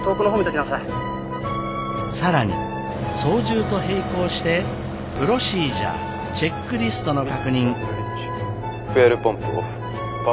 更に操縦と並行してプロシージャーチェックリストの確認。